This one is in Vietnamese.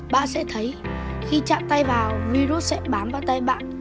bạn sẽ thấy khi chạm tay vào virus sẽ bám vào tay bạn